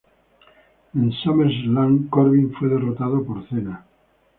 En SummerSlam, Corbin fue derrotado por Cena.